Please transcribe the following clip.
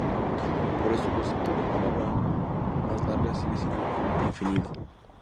Por eso el concepto de palabra más larga sigue siendo indefinido.